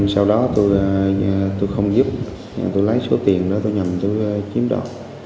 sau đó tôi không giúp tôi lấy số tiền đó tôi nhầm tôi chiếm đo